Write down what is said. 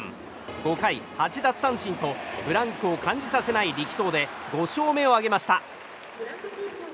５回八奪三振とブランクを感じさせない力投で５勝目を挙げました。